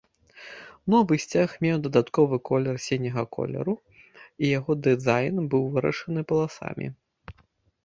Новы сцяг меў дадатковы колер сіняга колеру і яго дызайн быў вырашаны паласамі.